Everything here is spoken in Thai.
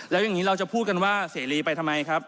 แล้วอย่างนี้เราจะพูดกันว่าเสรีไปทำไมครับ